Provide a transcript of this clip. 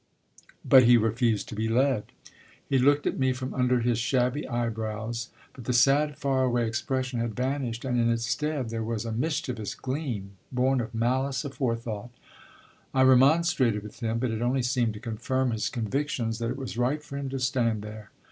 But he refused to be led. He looked at me from under his shabby eyebrows, but the sad, far away expression had vanished and in its stead there was a mischievous gleam, born of malice afore thought. I remonstrated with him, but it only seemed to confirm his convictions that it was right for him to stand there.